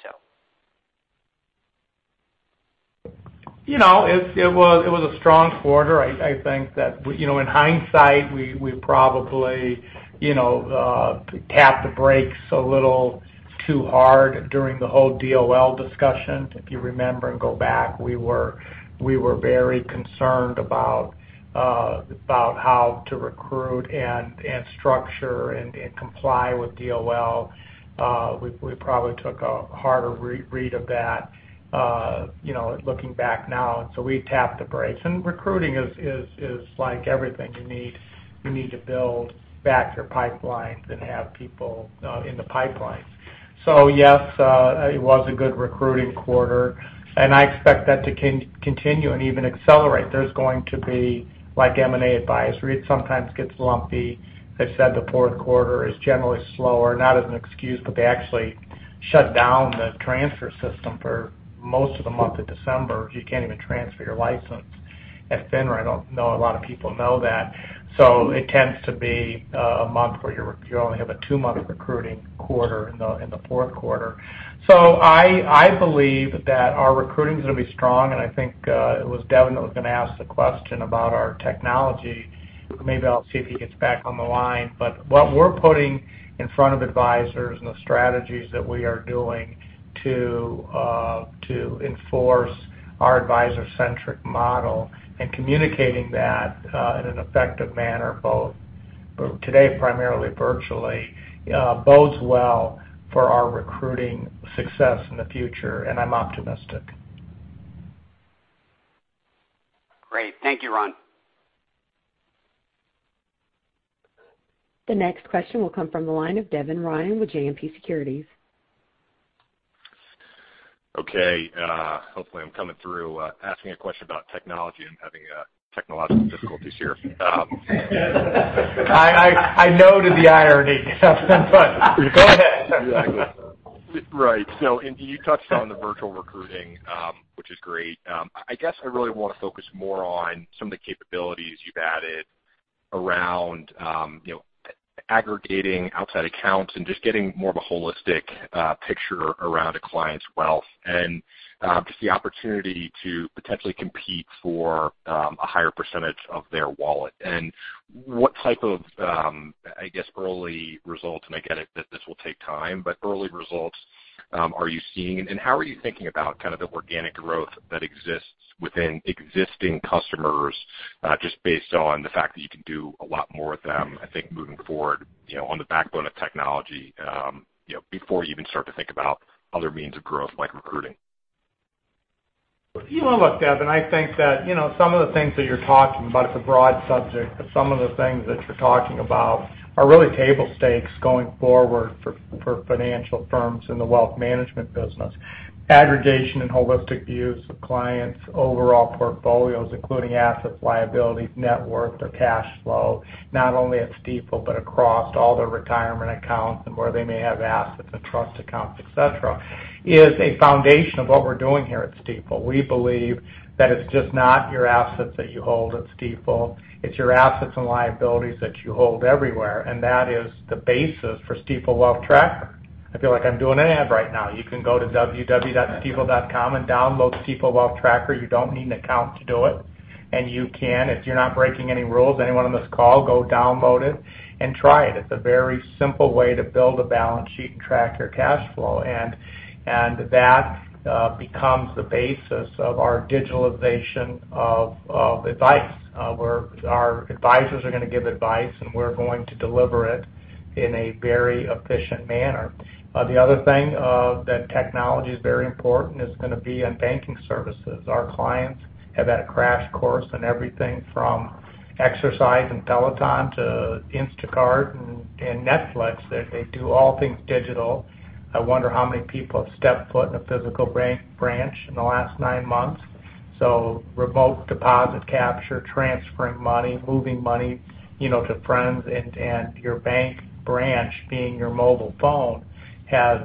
You know, it was a strong quarter. I think that, you know, in hindsight we probably, you know, tapped the brakes a little too hard during the whole DOL discussion. If you remember and go back, we were very concerned about how to recruit and structure and comply with DOL. We probably took a harder read of that looking back now. We tapped the brakes and recruiting. It's like everything you need. You need to build back your pipelines and have people in the pipeline. So yes, it was a good recruiting quarter and I expect that to continue and even accelerate. There's going to be like M&A advisory. It sometimes gets lumpy. I've said the fourth quarter is generally slower, not as an excuse, but they actually shut down the transfer system for most of the month. It just. You can't even transfer your license at FINRA. I don't know. A lot of people know that. So it tends to be a month where you only have a two-month recruiting quarter in the fourth quarter. So I believe that our recruiting is going to be strong and I think it was Devin that was going to ask the question about our technology. Maybe I'll see if he gets back on the line. But what we're putting in front of advisors and the strategies and that we are doing to enforce our advisor-centric model and communicating that in an effective manner, both today, primarily virtually, bodes well for our recruiting success in the future. And I'm optimistic. Great. Thank you, Ron. The next question will come from the line of Devin Ryan with JMP Securities. Okay. Hopefully I'm coming through asking a question about technology. I'm having technological difficulties here. I noted the irony. Go ahead. Right. So you touched on the virtual recruiting, which is great. I guess I really want to focus more on some of the capabilities you've added around aggregating outside accounts and just getting more of a holistic picture around a client's wealth and just the opportunity to potentially compete for a higher percentage of their wallet. And what type of, I guess, early results. And I get it that this will take time, but early results are you seeing and how are you thinking about kind of the organic growth that exists within existing customers just based on the fact that you can do a lot more with them? I think moving forward on the backbone of technology before you even start to think about other means of growth like recruiting? Look, Devin. I think that some of the things that you're talking about, it's a broad subject, but some of the things that you're talking about are really table stakes going forward for financial firms in the wealth management business. Aggregation and holistic views of clients overall portfolio, including assets, liabilities, net worth or cash flow. Not only at Stifel, but across all their retirement accounts and where they may have assets and trust accounts, et cetera, is a foundation of what we're doing here at Stifel. We believe that it's just not your assets that you hold at Stifel. It's your assets and liabilities that you hold everywhere. And that is the basis for Stifel Wealth Tracker. I feel like I'm doing an ad right now. You can go to www.stifel.com and download Stifel Wealth Tracker. You don't need an account to do it. You can if you're not breaking any rules. Anyone on this call, go download it and try it. It's a very simple way to build a balance sheet and track your cash flow. That becomes the basis of our digitalization of advice where our advisors are going to give advice and we're going to deliver it in a very efficient manner. The other thing that technology is very important is going to be on banking services. Our clients have had a crash course on everything from exercise and Peloton to Instacart and Netflix. They do all things digital. I wonder how many people have stepped foot in a physical branch in the last nine months. Remote deposit capture, transferring money, moving money to friends, and your bank branch being your mobile phone has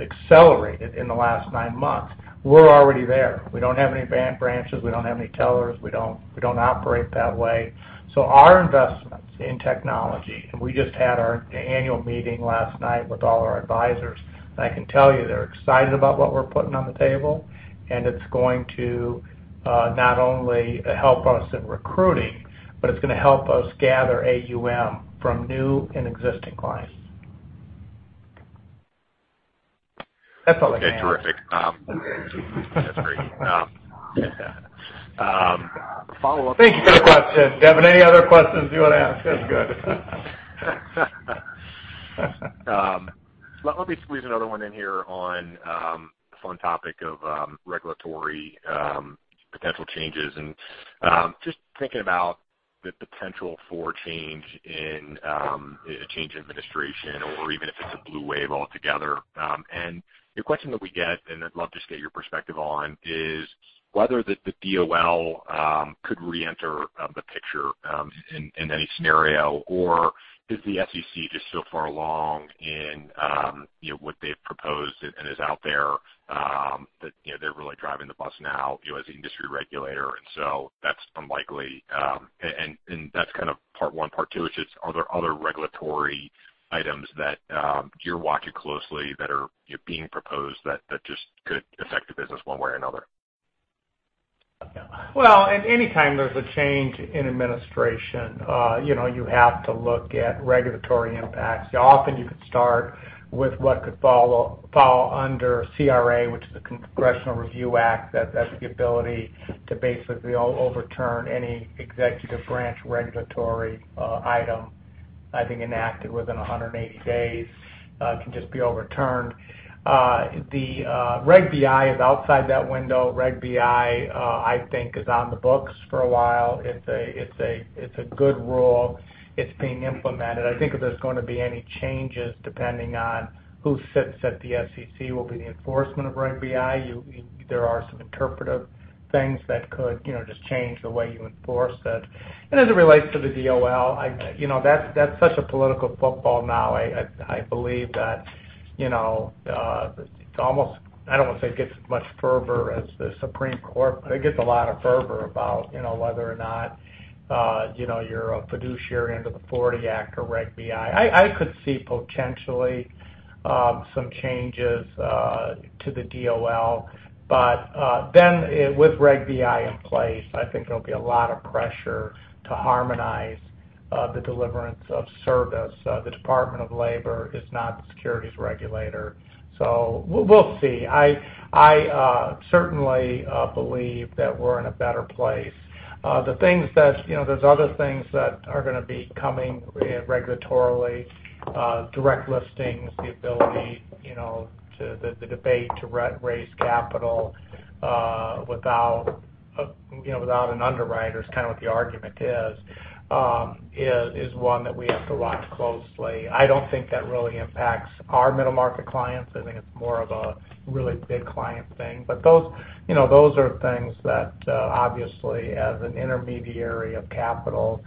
accelerated in the last nine months. We're already there. We don't have any bank branches. We don't have any tellers. We don't operate that way. So our investments in technology. We just had our annual meeting last night with all our advisors. I can tell you they're excited about what we're putting on the table and it's going to not only help us in recruiting, but it's going to help us gather AUM from new and existing clients. That's all I can. Okay, terrific. Thank you for the question, Devin. Any other questions you want to ask? That's good. Let me squeeze another one in here. On the fun topic of regulatory potential changes and just thinking about the potential for change in administration or even if it's a blue wave altogether. And the question that we get, and I'd love to get your perspective on, is whether the DOL could reenter the picture in any scenario, or is the SEC just so far along in what they've proposed and is out there that they're really driving the bus now as an industry regulator? And so that's unlikely. And that's kind of part one, part two. It's just, are there other regulatory items that you're watching closely that are being proposed that just could affect the business one way or another? Anytime there's a change in administration, you have to look at regulatory impacts. Often you could start with what could fall under CRA, which is a Congressional Review Act. That's the ability to basically overturn any executive branch regulatory item. I think enacted within 180 days can just be overturned. The Reg BI is outside that window. Reg BI, I think, is on the books for a while. It's. It's a good rule. It's being implemented. I think if there's going to be any changes, depending on who sits at. The SEC will be the enforcement of Reg BI. There are some interpretive things that could just change the way you enforce it. And as it relates to the DOL. You know, that's such a political football now. I believe that, you know, almost. I don't want to say it gets as much fervor as the Supreme Court, but it gets a lot of fervor about whether or not you're a fiduciary under the '40 Act or Reg BI. I could see potentially some changes to the DOL, but then with Reg BI in place, I think there'll be a lot of pressure to harmonize the delivery of services. The Department of Labor is not the securities regulator. So we'll see. I certainly believe that we're in a better place. The things that, you know, there's other things that are going to be coming regulatorily, direct listings, the ability, you know, the debate to raise capital without, you know, without an underwriter is kind of what the argument is, is one that we have to watch closely. I don't think that really impacts our middle market clients. I think it's more of a really big client thing. But those are things that obviously as an intermediary of capital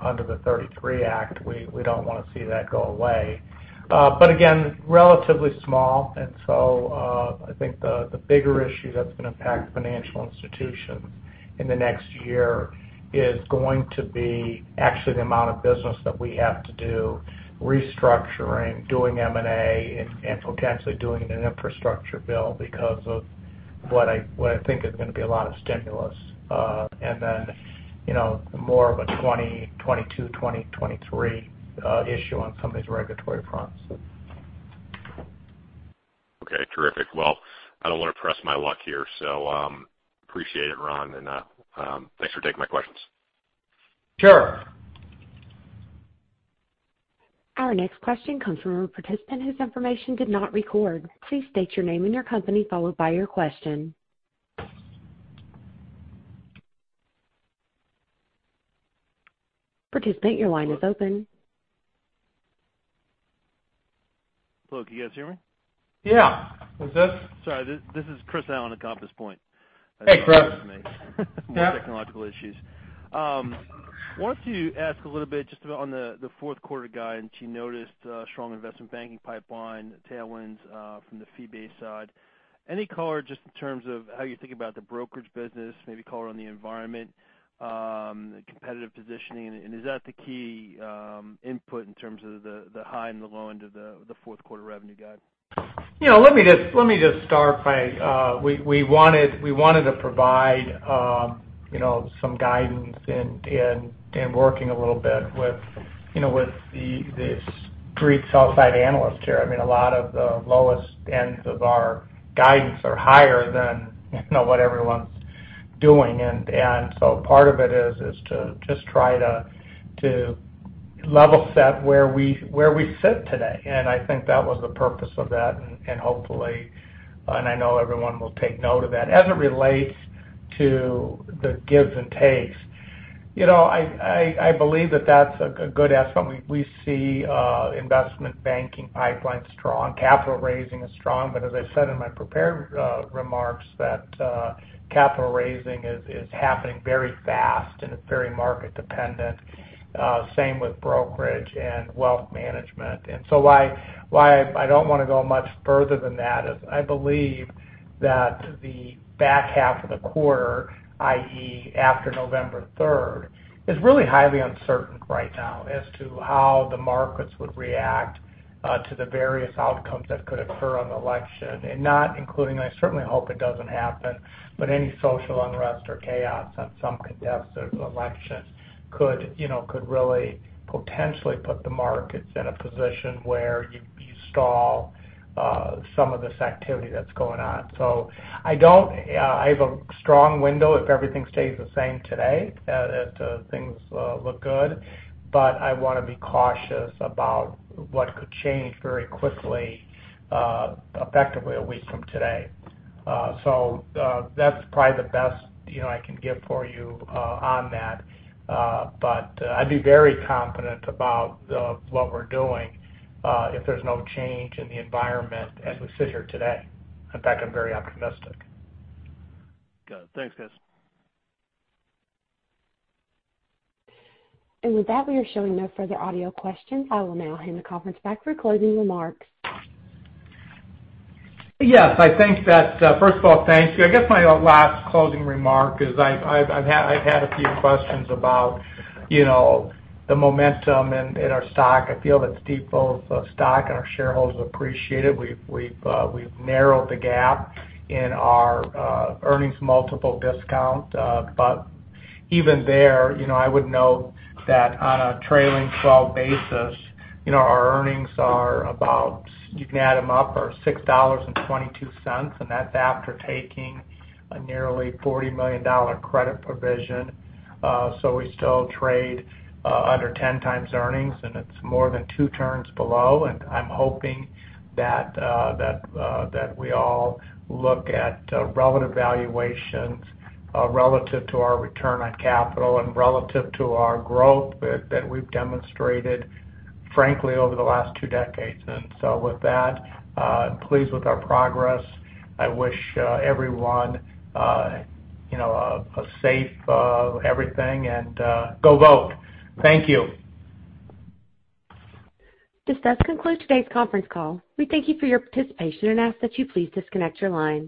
under the '33 Act, we don't want to see that go away. But again, relatively small. And so I think the bigger issue that's going to impact financial institutions in the next year is going to be actually the amount of business that we have to do, restructuring, doing M&A and potentially doing an infrastructure bill because of what I think is going to be a lot of stimulus and then more of a 2022, 2023 issue on some of these regulatory fronts. Okay, terrific. Well, I don't want to press my luck here, so appreciate it, Ron, and thanks for taking my questions. Sure. Our next question comes from a participant whose information did not record. Please state your name and your company followed by your question. Participant, your line is open. Hello, can you guys hear me? Yeah, what's this? Sorry, this is Chris Allen at Compass Point. Hey Chris. More technological issues. I wanted to ask a little bit. Just about on the fourth quarter guidance, you noticed strong investment banking pipeline tailwinds from the fee-based side. Any color just in terms of how you think about the brokerage business? Maybe color on the environment, competitive positioning. And is that the key input in? Terms of the high and the low. End of the fourth quarter revenue guide? You know, let me just start by. We wanted to provide, you know, some guidance and working a little bit with, you know, with the Street sell-side analysts here. I mean a lot of the lowest ends of our guidance are higher than what everyone's doing. And so part of it is to just try to level set where we sit today. And I think that was the purpose of that and hopefully, and I know everyone will take note of that as it relates to the gives and takes. You know, I believe that that's a good estimate. We see, investment banking pipeline strong, capital raising is strong. But as I said in my prepared remarks, that capital raising is happening very fast and it's very market dependent. Same with brokerage and wealth management. Why I don't want to go much further than that is I believe that the back half of the quarter, that is after November 3rd, is really highly uncertain right now as to how the markets would react to the various outcomes that could occur on the election, not including. I certainly hope it doesn't happen. But any social unrest or chaos on some contested elections could, you know, could really potentially put the markets in a position where you stall some of this activity that's going on. I don't. I have a strong window if everything stays the same today that things look good. But I want to be cautious about what could change very quickly, effectively a week from today. That's probably the best I can give for you on that. But I'd be very confident about what we're doing if there's no change in the environment as we sit here today. In fact, I'm very optimistic. Got it. Thanks, guys. With that, we are showing no further audio questions. I will now hand the conference back for closing remarks. Yes, I think that first of all, thank you. I guess my last closing remark is I've had a few questions about, you know, the momentum in our stock. I feel that Stifel stock and our shareholders appreciate it. We've narrowed the gap in our earnings multiple discount. But even there, I would note that on a trailing twelve basis, our earnings are about you can add them up of $6.22 and that's after taking a nearly $40 million credit provision. So we still trade under 10 times earnings and it's more than two turns below. I'm hoping that we all look at relative valuations relative to our return on capital and relative to our growth that we've demonstrated frankly over the last two decades. With that, I'm pleased with our progress. I wish everyone you know a safe everything and go vote. Thank you. This does conclude today's conference call. We thank you for your participation and ask that you please disconnect your lines.